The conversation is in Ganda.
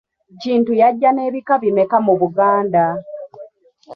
Kintu yajja n'ebika bimeka mu Buganda?